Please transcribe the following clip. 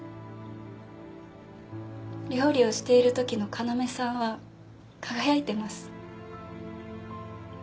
料理をしているときの要さんは輝いてます。